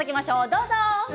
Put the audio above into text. どうぞ。